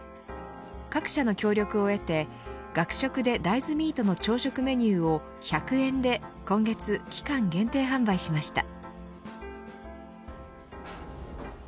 各社の協力を得て学食で大豆ミートの朝食メニューを１００円で今月期間限定販売しました。